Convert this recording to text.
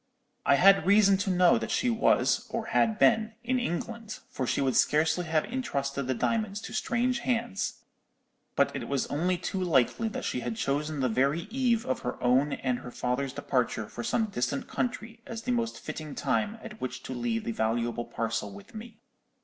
I had reason to know that she was, or had been, in England, for she would scarcely have intrusted the diamonds to strange hands; but it was only too likely that she had chosen the very eve of her own and her father's departure for some distant country as the most fitting time at which to leave the valuable parcel with me.